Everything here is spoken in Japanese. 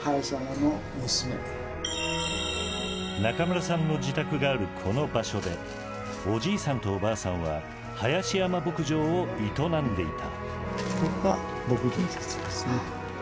中村さんの自宅があるこの場所でおじいさんとおばあさんは林山牧場を営んでいた。